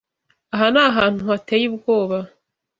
Aha ni ahantu hateye ubwoba.